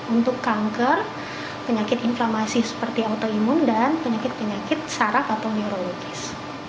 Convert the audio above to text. untuk kanker penyakit inflamasi seperti autoimun dan penyakit penyakit saraf atau neurologis